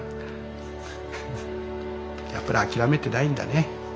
やっぱり諦めてないんだね